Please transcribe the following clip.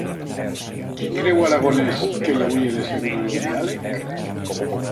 Qui creu Aragonès que hi hauria de ser durant el diàleg?